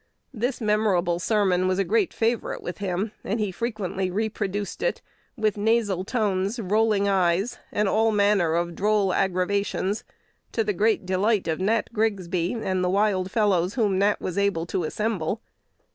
This memorable sermon was a great favorite with him; and he frequently reproduced it with nasal tones, rolling eyes, and all manner of droll aggravations, to the great delight of Nat Grigsby and the wild fellows whom Nat was able to assemble.